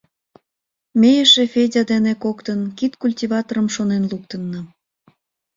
Ме эше Федя дене коктын кид культиваторым шонен луктына.